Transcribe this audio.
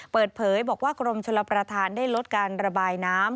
เปิดเผยบอกว่ากรมชลประธานได้ลดการระบายน้ำ